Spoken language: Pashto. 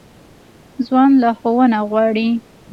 ځوان لارښوونه غواړي